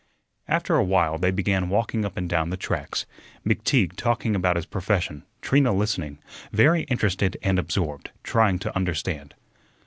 After a while they began walking up and down the tracks, McTeague talking about his profession, Trina listening, very interested and absorbed, trying to understand.